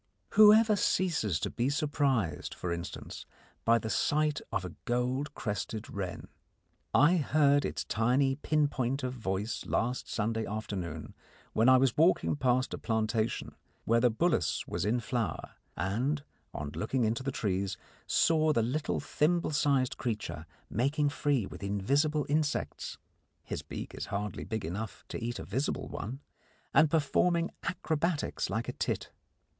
Whoever ceases to be surprised, for instance, by the sight of a goldcrested wren? I heard its tiny pinpoint of voice last Sunday afternoon when I was walking past a plantation where the bullace was in flower, and, on looking into the trees, saw the little thimble sized creature making free with invisible insects his beak is hardly big enough to eat a visible one and performing acrobatics like a tit.